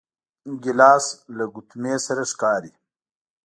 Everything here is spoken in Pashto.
ګیلاس له ګوتمې سره ښکاري.